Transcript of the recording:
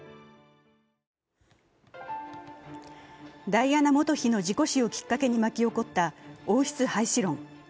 ダイアナ元妃の事故死をきっかけに巻き起こった王室廃止論。